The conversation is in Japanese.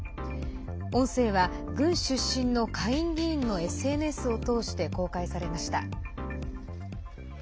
音声は、軍出身の下院議員のＳＮＳを通して公開されました。